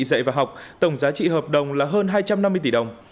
dạy và học tổng giá trị hợp đồng là hơn hai trăm năm mươi tỷ đồng